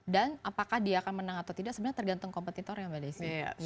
dan apakah dia akan menang atau tidak sebenarnya tergantung kompetitornya mbak desy